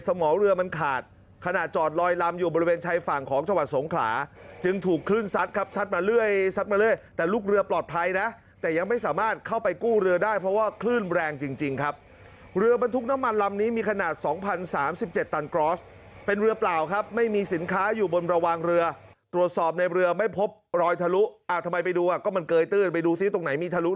ต้นต้นต้นต้นต้นต้นต้นต้นต้นต้นต้นต้นต้นต้นต้นต้นต้นต้นต้นต้นต้นต้นต้นต้นต้นต้นต้นต้นต้นต้นต้นต้นต้นต้นต้นต้นต้นต้นต้นต้นต้นต้นต้นต้นต้นต้นต้น